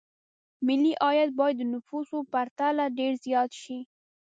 ملي عاید باید د نفوسو په پرتله ډېر زیات شي.